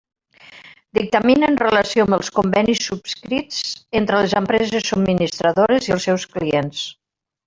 Dictamina en relació amb els convenis subscrits entre les empreses subministradores i els seus clients.